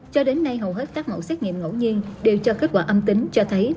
cho đến nay hầu hết các mẫu xét nghiệm ngẫu nhiên đều cho kết quả âm tính cho thấy